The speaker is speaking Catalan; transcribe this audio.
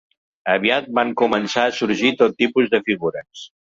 Aviat van començar a sorgir tot tipus de figures.